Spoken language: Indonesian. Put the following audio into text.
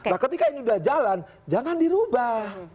nah ketika ini sudah jalan jangan dirubah